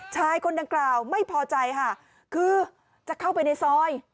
ชายคนดังกล่าวไม่พอใจค่ะคือจะเข้าไปในซอย